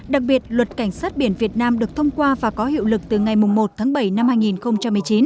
đặc biệt luật cảnh sát biển việt nam được thông qua và có hiệu lực từ ngày một tháng bảy năm hai nghìn một mươi chín